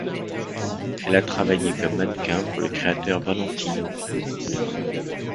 Elle a travaillé comme mannequin pour le créateur Valentino.